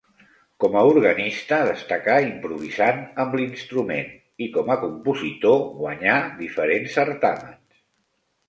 Com a organista, destacà improvisant amb l'instrument i, com a compositor, guanyà diferents certàmens.